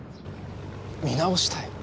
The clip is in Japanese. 見直したい？